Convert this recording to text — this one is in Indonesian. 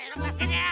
lepas sini ya